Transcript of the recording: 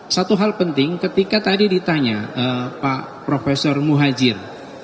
satu hal penting ketika tadi ditanya pak profesor muhajir